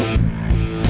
saya akan menemukan mereka